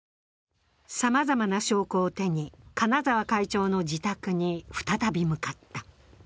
さまざまな証拠を手に金沢会長の自宅に再び向かった。